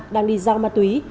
đang đi giao ma túy